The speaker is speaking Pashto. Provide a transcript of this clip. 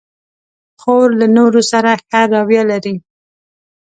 خور له نورو سره ښه رویه لري.